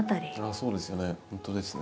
そうですよね。